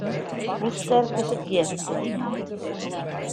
Hoe sterk is it gjers op de dyk?